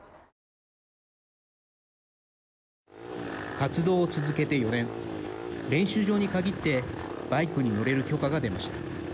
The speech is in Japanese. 活動を続けて４年練習場に限ってバイクに乗れる許可が出ました。